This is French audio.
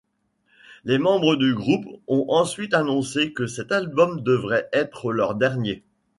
Les membres du groupe ont ensuite annoncé que cet album devrait être leur dernier.